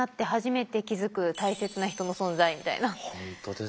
本当ですよ。